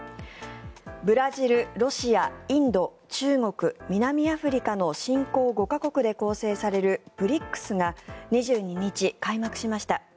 ブラジル、ロシア、インド中国、南アフリカの新興５か国で構成されるＢＲＩＣＳが２２日、開幕しました。